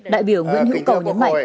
đại biểu nguyễn hữu cầu nhấn mạnh